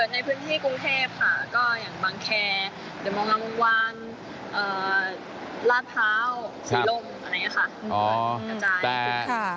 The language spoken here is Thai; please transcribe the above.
ในพื้นที่กรุงเทพค่ะก็อย่างบังแครเดี๋ยวมองมังวานลาดพร้าวสุดลงอันนี้ค่ะ